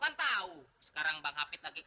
nah gak usah tampang muka polos deh